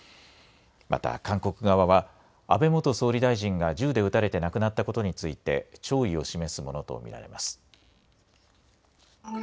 また韓国側は安倍元総理大臣が銃で撃たれて亡くなったことについて弔意を示すものと見られます。